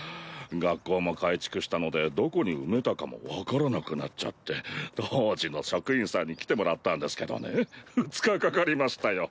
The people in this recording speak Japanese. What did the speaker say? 学校も改築したのでどこに埋めたかも分からなくなっちゃって当時の職員さんに来てもらったんですけどね２日かかりましたよ